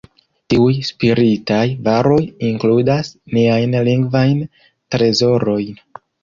Tiuj spiritaj varoj inkludas niajn lingvajn trezorojn.